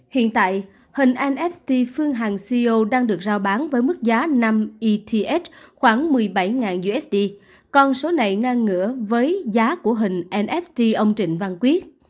hiện tại hình nft phương hằng ceo đang được rao bán với mức giá năm eth khoảng một mươi bảy usd còn số này ngang ngửa với giá của hình nft ông trịnh văn quyết